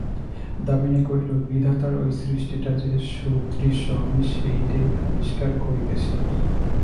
দামিনী কহিল, বিধাতার ঐ সৃষ্টিটা যে সুদৃশ্য, আমি সেইটেই আবিষ্কার করিতেছি।